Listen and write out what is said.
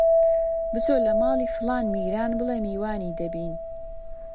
بچۆ لە ماڵی فڵان میران بڵێ میوانی دەبین!